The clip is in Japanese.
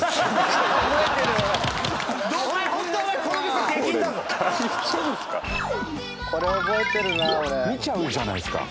「うん」「見ちゃうじゃないですか」